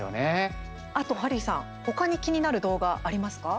あとハリーさんほかに気になる動画ありますか？